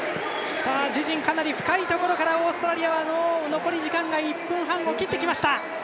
自陣かなり深いところからオーストラリアはもう残り時間が１分半を切ってきました。